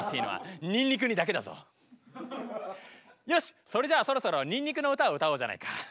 よしそれじゃあそろそろにんにくの歌を歌おうじゃないか。